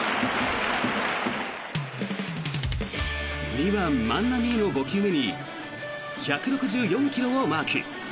２番、万波への５球目に１６４ｋｍをマーク。